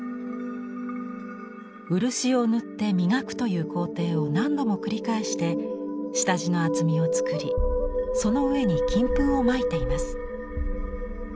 漆を塗って磨くという工程を何度も繰り返して下地の厚みを作りその上に金粉をまいています。